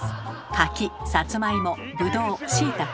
柿さつまいもぶどうしいたけ。